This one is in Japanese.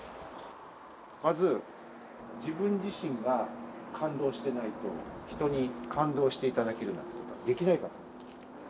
まず自分自身が感動してないと、人に感動していただけるなんてことはできないからです。